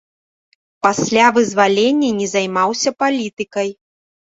Пасля вызвалення не займаўся палітыкай.